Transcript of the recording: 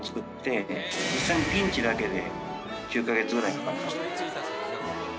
実際にピンチだけで９カ月ぐらいかかりましたね。